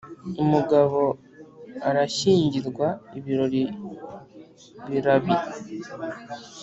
Umugabo arashyingirwa ibirori birabi.